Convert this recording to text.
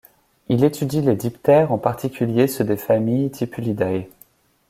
Il étudie les diptères en particulier ceux des familles Tipulidae.